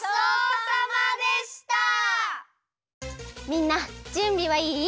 みんなじゅんびはいい？